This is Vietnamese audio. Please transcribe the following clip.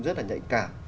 rất là nhạy cảm